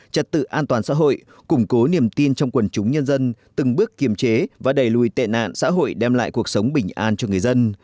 trật tự an toàn xã hội củng cố niềm tin trong quần chúng nhân dân từng bước kiềm chế và đẩy lùi tệ nạn xã hội đem lại cuộc sống bình an cho người dân